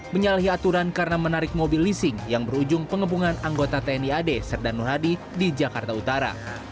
menyalahi aturan karena menarik mobil leasing yang berujung pengebungan anggota tni ad serdan nur hadi di jakarta utara